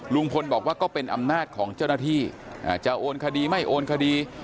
ลุงพลบอกว่าก็เป็นอำนาจของเจ้าหน้าที่จะโอนคดีไม่โอนคดี